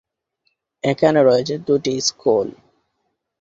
এখানে রয়েছে দুটি স্কুল।